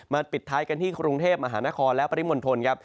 ปิดท้ายกันที่กรุงเทพมหานครและปริมณฑลครับ